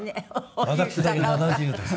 堀内：私だけ７０です。